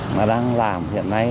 mà đang làm hiện nay